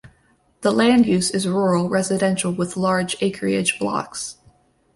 The land use is rural residential with large acreage blocks.